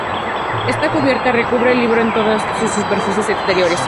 Esta cubierta recubre el libro en todas sus superficies exteriores.